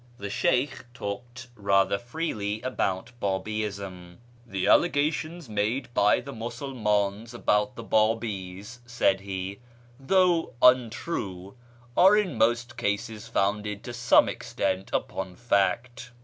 The Sheykh talked rather freely about Babiism, " The allegations made by the Musulmdns about the Babis," said he, " though untrue, are in most cases founded to some extent upon fact.